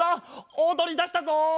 おどりだしたぞ！